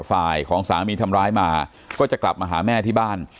ฝ่ายของสามีทำร้ายมาก็จะกลับมาหาแม่ที่บ้าน